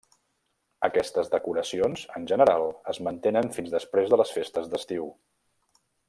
Aquestes decoracions, en general, es mantenen fins després de les festes d'estiu.